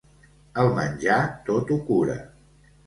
El menjar tot ho cura.